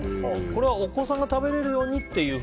これはお子さんが食べれるようにという？